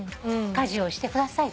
家事をしてください。